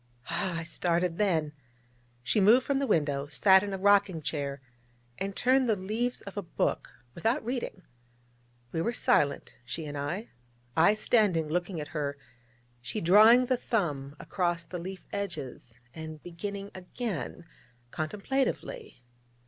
Ah, I started then. She moved from the window, sat in a rocking chair, and turned the leaves of a book, without reading. We were silent, she and I; I standing, looking at her, she drawing the thumb across the leaf edges, and beginning again, contemplatively.